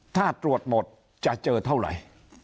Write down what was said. ถ้าตรวจหมดจะเจอเท่าไหร่